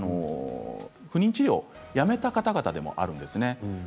不妊治療をやめた方々でもあるんです。